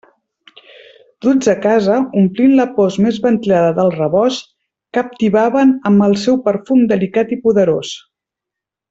Duts a casa, omplint la post més ventilada del rebost, captivaven amb el seu perfum delicat i poderós.